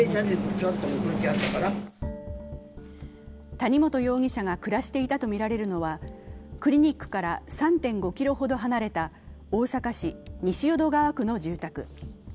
谷本容疑者が暮らしていたとみられるのは、クリニックから３．５ｋｍほど離れた大阪市西淀川区の住宅。